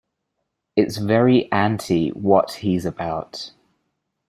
It's very anti what he's about.